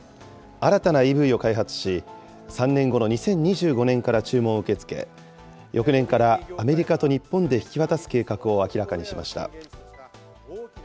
新たなＥＶを開発し、３年後の２０２５年から注文を受け付け、翌年からアメリカと日本で引き渡す計画を明らかにしました。